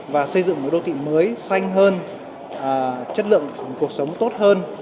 và xây dựng một đô thị mới xanh hơn chất lượng cuộc sống tốt hơn